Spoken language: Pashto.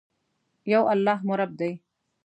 یو الله مو رب دي.